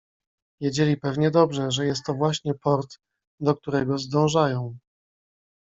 "Wiedzieli pewnie dobrze, że jest to właśnie port, do którego zdążają."